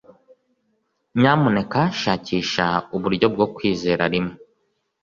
nyamuneka shakisha uburyo bwo kwizera rimwe